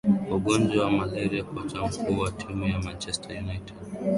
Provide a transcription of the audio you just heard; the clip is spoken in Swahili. ugonjwa wa malaria kocha mkuu wa timu ya manchester united